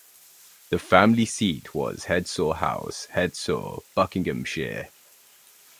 The family seat was Hedsor House, Hedsor, Buckinghamshire.